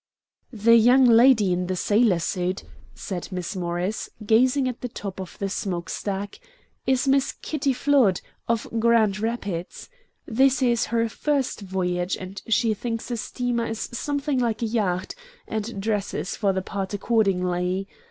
"The young lady in the sailor suit," said Miss Morris, gazing at the top of the smoke stack, "is Miss Kitty Flood, of Grand Rapids. This is her first voyage, and she thinks a steamer is something like a yacht, and dresses for the part accordingly.